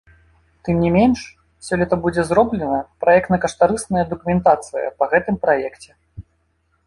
Тым не менш, сёлета будзе зроблена праектна-каштарысная дакументацыя па гэтым праекце.